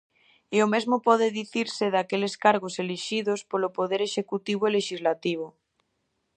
E o mesmo pode dicirse daqueles cargos elixidos polo poder executivo e lexislativo.